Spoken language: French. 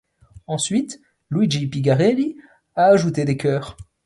Ensuite Luigi Pigarelli a ajouté des chœurs.